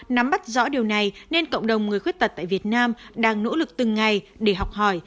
nắm bắt rõ điều này nên cộng đồng người khuyết tật tại việt nam đang nỗ lực từng ngày để học hỏi